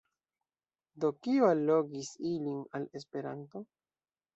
Do kio allogis ilin al Esperanto?